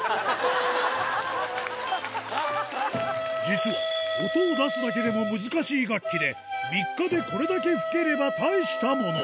実は音を出すだけでも難しい楽器で３日でこれだけ吹ければ大したもの